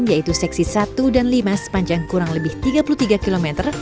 yaitu seksi satu dan lima sepanjang kurang lebih tiga puluh tiga km